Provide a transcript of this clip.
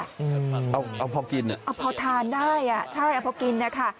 เอาเอาพอกินอ่ะเอาพอทานได้อ่ะใช่เอาพอกินนะคะ